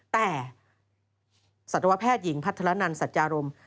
แต่สัตวแพทย์หญิงพัฒนันสัจจารม